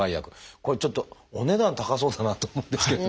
これちょっとお値段高そうだなと思うんですけどもいかがですか？